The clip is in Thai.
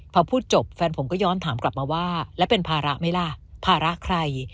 พอพูดจบแฟนผมก็ย้อนถามกลับมาว่าแล้วเป็นภาระไหมล่ะภาระใคร